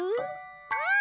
うん！